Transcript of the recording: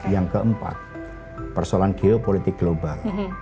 yang keempat persoalan geopolitik global